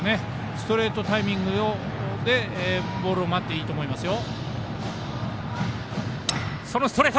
ストレートタイミングでボールを待っていいと思いますよ。